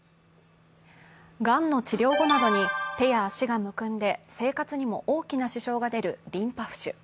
がんの治療後などに手や足がむくんで生活にも大きな支障が出るリンパ浮腫。